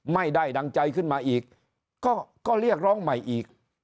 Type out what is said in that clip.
ไม่ได้ดังใจขึ้นมาอีก